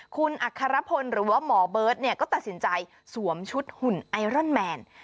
คุณอัครพลหรือว่าหมอเบิร์ตก็ตัดสินใจสวมชุดหุ่นไอรอนแมน